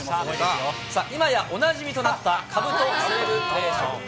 今やおなじみとなった、かぶとセレブレーション。